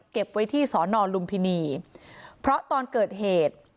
เก็บไว้ที่สอนอลุมพินีเพราะตอนเกิดเหตุ